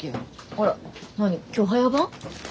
あら何今日早番？